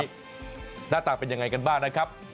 หน้าตาเป็นยังไงกันบ้างนะครับ